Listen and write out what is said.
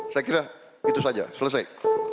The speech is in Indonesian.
saya kira itu saja selesai